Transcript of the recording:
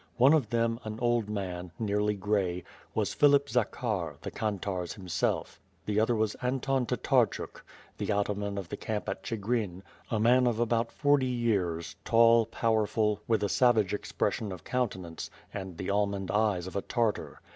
One of them, an old man, nearly gray, was Philip Zakhar, the kantarz himself; the other was Anton Tatarchuk, the ataman of the camp at C'higrin, a man of about forty years, tall, powerful, with a savage expression of countenance, and the almond eyes of a Tartar.